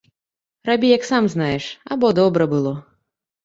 Рабі, як сам знаеш, або добра было.